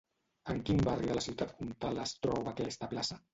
En quin barri de la ciutat comtal es troba aquesta plaça?